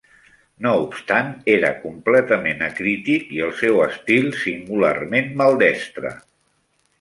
No obstant, era completament acrític i el seu estil, singularment maldestre.